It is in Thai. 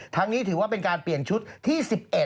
นี้ถือว่าเป็นการเปลี่ยนชุดที่๑๑